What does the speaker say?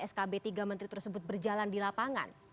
skb tiga menteri tersebut berjalan di lapangan